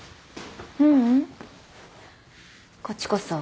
ううんこっちこそ。